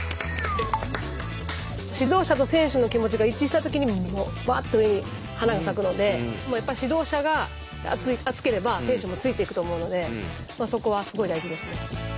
指導者と選手の気持ちが一致した時にうわっと上に花が咲くのでやっぱ指導者が熱ければ選手もついていくと思うのでそこはすごい大事ですね。